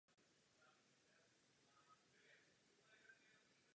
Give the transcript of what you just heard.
Základní škola je v kibucu Sde Elijahu.